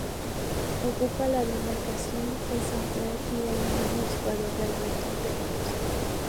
Ocupa la demarcación de central y es hermano del exjugador Alberto Entrerríos.